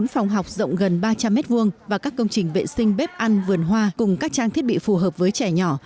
bốn phòng học rộng gần ba trăm linh m hai và các công trình vệ sinh bếp ăn vườn hoa cùng các trang thiết bị phù hợp với trẻ nhỏ